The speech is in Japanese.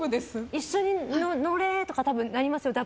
一緒に乗れよ！ってなりますよ。